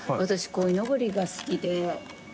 こいのぼりが好き？